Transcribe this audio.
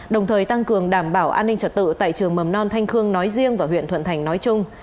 đồng thời tăng cường đảm bảo an ninh trật tự tại trường mầm non thanh khương nói riêng và huyện thuận thành nói chung